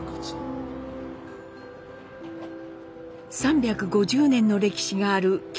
３５０年の歴史がある敬